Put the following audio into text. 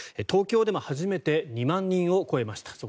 東京でも初めて２万人を超えました。